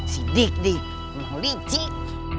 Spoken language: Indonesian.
si didik mau licik